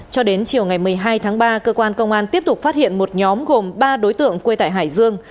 cho đến chiều ngày một mươi hai tháng ba cơ quan công an tiếp tục phát hiện một nhóm gồm ba đối tượng quê tại hải dương